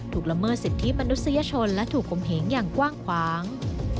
ถูกละเมอสิทธิมนุษยชนและถูกคมเห็งกว้าง